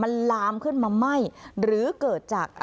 อันดับที่สุดท้าย